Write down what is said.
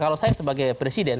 kalau saya sebagai presiden